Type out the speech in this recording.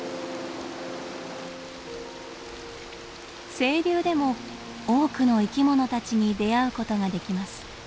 清流でも多くの生き物たちに出会うことができます。